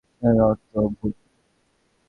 এর অর্থ ভূত।